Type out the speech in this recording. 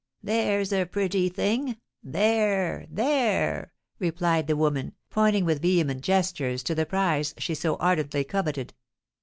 "There's a pretty thing! there, there!" replied the woman, pointing with vehement gestures to the prize she so ardently coveted.